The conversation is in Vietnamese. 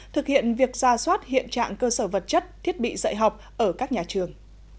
thực hiện việc ra soát hiện trạng cơ sở vật chất thiết bị dạy học ở các nhà trường